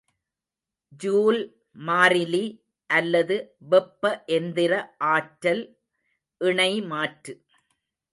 Joule மாறிலி அல்லது வெப்ப எந்திர ஆற்றல் இணைமாற்று.